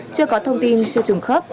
chưa có thông tin chưa trùng khớp